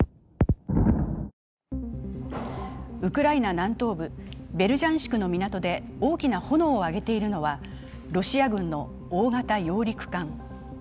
ウクライナ南東部ベルジャンシクの港で大きな炎を上げているのはロシア軍の大型揚陸艦。